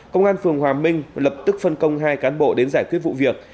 công an phường hòa minh lập tức phân công hai cán bộ đến giải quyết vụ việc